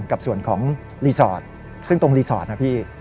กับส่วนของรีสอร์ทซึ่งตรงรีสอร์ทนะพี่